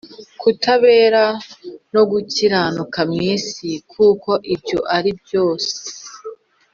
kutabera no gukiranuka mu isi kuko ibyo ari byose